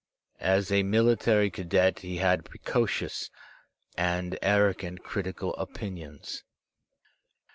As a military cadet he had precocious and arrogant critical opinions.